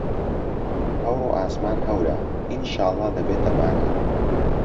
ئەوڕۆ ئاسمان هەورە، ئینشاڵڵا دەبێتە باران.